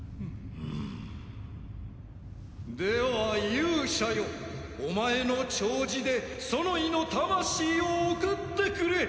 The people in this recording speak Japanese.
では勇者よお前の弔辞でソノイの魂を送ってくれ。